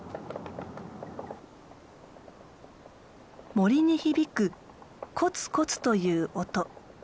森に響くコツコツという音。